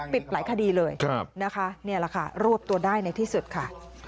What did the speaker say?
ปิดหลายคดีเลยนะคะนี่แหละค่ะรวบตัวได้ในที่สุดค่ะ